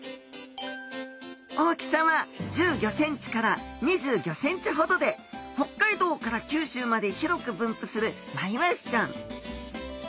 大きさは１５ｃｍから２５ｃｍほどで北海道から九州まで広く分布するマイワシちゃん。